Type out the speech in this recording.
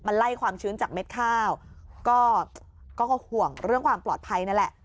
ไล่ความชื้นจากเม็ดข้าวก็ห่วงเรื่องความปลอดภัยนั่นแหละ